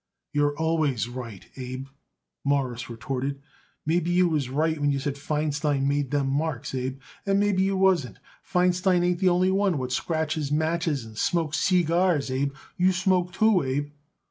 "You're always right, Abe," Morris retorted. "Maybe you was right when you said Feinstein made them marks, Abe, and maybe you wasn't. Feinstein ain't the only one what scratches matches and smokes seegars, Abe. You smoke, too, Abe."